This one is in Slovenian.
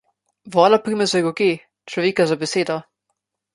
Vola primeš za roge, človeka za besedo.